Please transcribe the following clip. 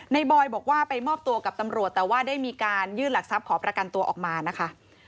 บอยบอกว่าไปมอบตัวกับตำรวจแต่ว่าได้มีการยื่นหลักทรัพย์ขอประกันตัวออกมานะคะ